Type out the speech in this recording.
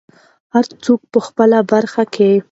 هر څوک په خپله برخه کې.